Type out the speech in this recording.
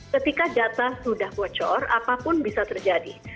ketika data sudah bocor apapun bisa terjadi